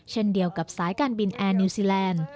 เช่นเดียวกับสายการบินแอร์นิวซีแลนด์